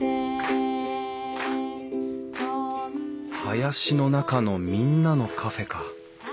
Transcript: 「林の中のみんなのカフェ」か。